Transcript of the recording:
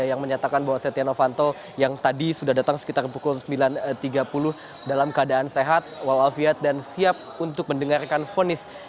yang menyatakan bahwa setia novanto yang tadi sudah datang sekitar pukul sembilan tiga puluh dalam keadaan sehat walafiat dan siap untuk mendengarkan fonis